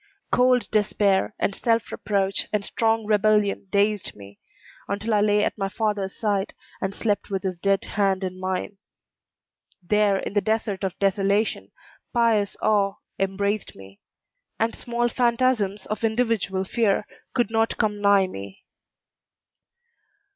Cold despair and self reproach and strong rebellion dazed me, until I lay at my father's side, and slept with his dead hand in mine. There in the desert of desolation pious awe embraced me, and small phantasms of individual fear could not come nigh me.